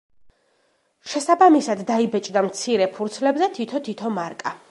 შესაბამისად დაიბეჭდა მცირე ფურცლებზე თითო-თითო მარკა.